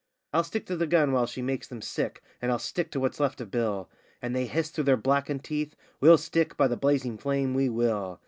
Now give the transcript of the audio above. I'll stick to the gun while she makes them sick, and I'll stick to what's left of Bill.' And they hiss through their blackened teeth: 'We'll stick! by the blazing flame, we will!